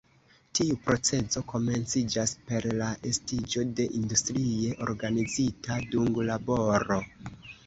Tiu procezo komenciĝas per la estiĝo de industrie organizita dunglaboro.